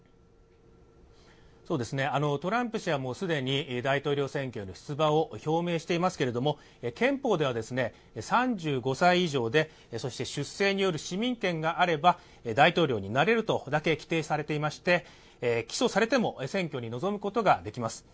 トランプ氏は既に大統領選挙への出馬を表明していますけれども、憲法では３５歳以上で、出生による市民権があれば大統領になれるとだけ規定されていまして起訴されても選挙に臨むことができます。